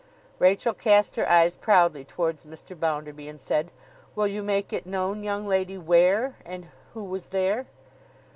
Rachael cast her eyes proudly towards Mr. Bounderby, and said, 'Will you make it known, young lady, where, and who was there?